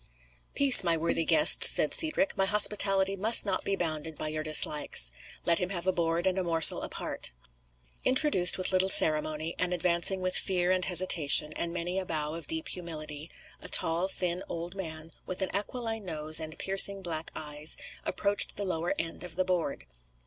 "Peace, my worthy guests," said Cedric; "my hospitality must not be bounded by your dislikes. Let him have a board and a morsel apart." Introduced with little ceremony, and advancing with fear and hesitation, and many a bow of deep humility, a tall thin old man, with an aquiline nose and piercing black eyes, approached the lower end of the board.